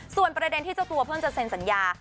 ส่วนประเด็นที่เจ้าตัวเพิ่งจะเซ็นสัญญา